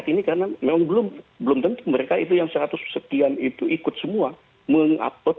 hai baik ini karena memang belum belum tentu mereka itu yang seratus sekian itu ikut semua mengupload